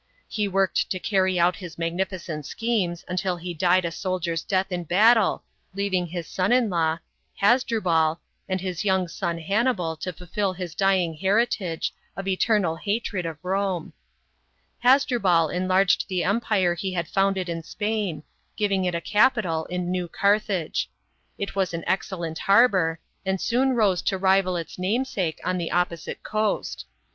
He worked to carry out his mag nificent schemes, until he died a soldier's death in battle, leaving his son in law, Hasdrubal, and his young son Hannibal to fulfil his dying heritage, of eternal hatred of Rome. Hasdrubal enlarged the empire he had founded 164 HANNIBAL LEADS THE CARTHAGINIANS. [B.C. 218. in Spain, giving it a capital in New Carthage. It was an excellent harbour, and soon rose to rival its namesake on the opposite coast.